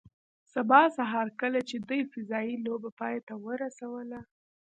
سبا سهار کله چې دوی فضايي لوبه پای ته ورسوله